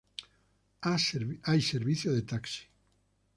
Hay servicio de taxi.